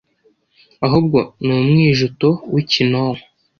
ahubwo ni umwijuto w' ikinonko